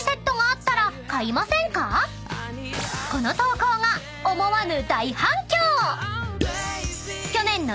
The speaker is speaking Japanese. ［この投稿が思わぬ］